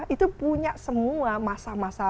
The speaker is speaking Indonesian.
itu punya semua masa masa